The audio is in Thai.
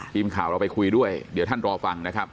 ทีมข่าวเราไปคุยด้วยเดี๋ยวท่านรอฟังนะครับ